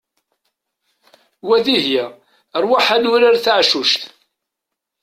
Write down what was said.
Wa Dihya ṛwaḥ ad nurar taɛcuct!